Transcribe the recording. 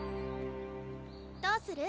どうする？